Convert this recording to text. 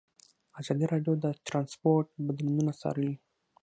ازادي راډیو د ترانسپورټ بدلونونه څارلي.